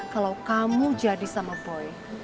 kalau kamu jadi sama boy